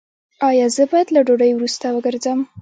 ایا زه باید له ډوډۍ وروسته وګرځم؟